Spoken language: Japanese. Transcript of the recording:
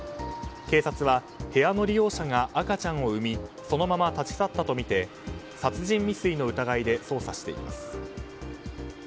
警察は部屋の利用者が赤ちゃんを産みそのまま立ち去ったとみて殺人未遂の疑いで捜査しています。